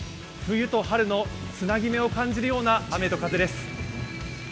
冬と春のつなぎ目を感じるような雨と風です。